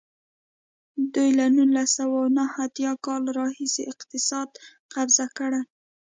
دوی له نولس سوه نهه اتیا کال راهیسې اقتصاد قبضه کړی.